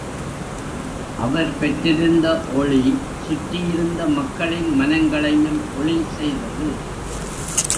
அவர் பெற்றிருந்த ஒளி சுற்றியிருந்த மக்களின் மனங்களையும் ஒளி செய்தது.